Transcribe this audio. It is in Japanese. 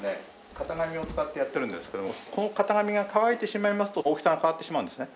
型紙を使ってやってるんですけどもこの型紙が乾いてしまいますと大きさが変わってしまうんですね。